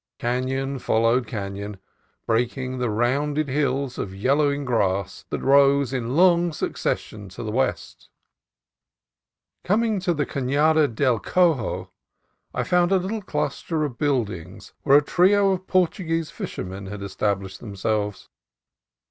Canon followed canon, breaking the rounded hills of yellowing grass that rose in long succession to the west. Coming to the Canada del Cojo I found a little cluster of buildings where a trio of Portuguese fishermen had established themselves.